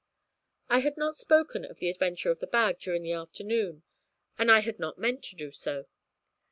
I had not spoken of the adventure of the bag during the afternoon, and I had not meant to do so.